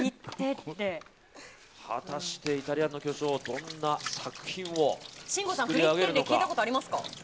果たしてイタリアンの巨匠信五さん、フリッテッレ聞いたことありますか？